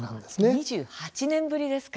２８年ぶりですか。